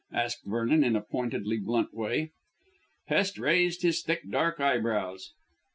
asked Vernon in a pointedly blunt way. Hest raised his thick, dark eyebrows.